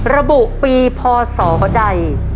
ระบุปีพศใด